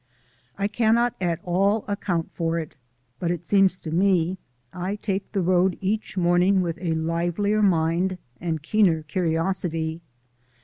I cannot account for it, but it seems to me I take the road each morning with a livelier mind and keener curiosity.